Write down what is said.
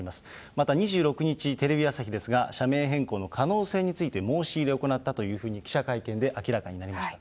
また２６日、テレビ朝日ですが、社名変更の可能性について申し入れを行ったというふうに記者会見で明らかになりました。